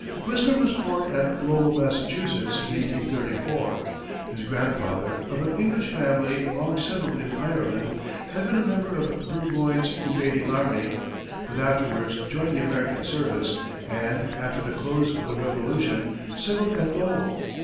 Whistler was born at Lowell, Massachusetts, in 1834. His grandfather, of an English family long settled in Ireland, had been a member of Burgoyne's invading army, but afterwards joined the American service, and, after the close of the Revolution, settled at Lowell.